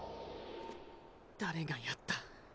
誰がやった？